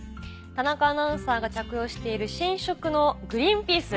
田中アナウンサーが着用している新色の「グリーンピース」。